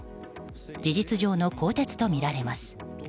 事実上の更迭とみられます。